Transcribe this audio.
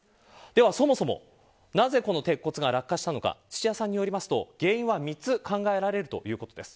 そもそも、なぜこの鉄骨が落下したのか土屋さんによりますと原因は３つ考えられるということです。